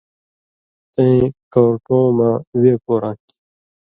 تَیں کؤرٹوں مہ وے پوراں تھی